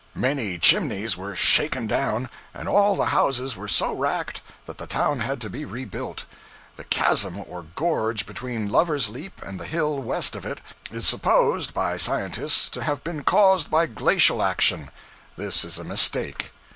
Many chimneys were shaken down, and all the houses were so racked that the town had to be rebuilt. The chasm or gorge between Lover's Leap and the hill west of it is supposed by scientists to have been caused by glacial action. This is a mistake.